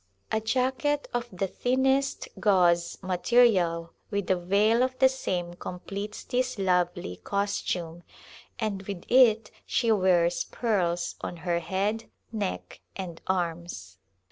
A jacket of the thinnest gauze material with a veil of the same completes this lovely costume, and with it she wears pearls on her head, neck, and arms.